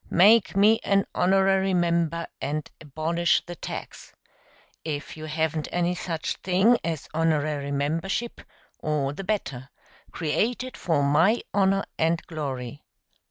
Make me an honorary member and abolish the tax. If you haven't any such thing as honorary membership, all the better create it for my honor and glory.'